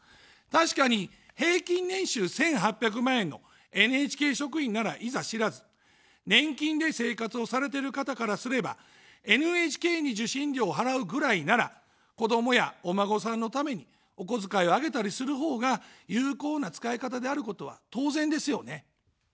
確かに平均年収１８００万円のＮＨＫ職員ならいざしらず、年金で生活をされてる方からすれば、ＮＨＫに受信料を払うぐらいなら、子どもやお孫さんのためにお小遣いをあげたりするほうが有効な使い方であることは当然ですよね。